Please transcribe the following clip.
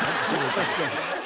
確かに。